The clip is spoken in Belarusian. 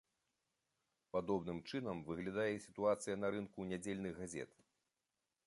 Падобным чынам выглядае і сітуацыя на рынку нядзельных газет.